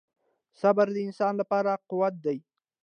• صبر د انسان لپاره قوت دی.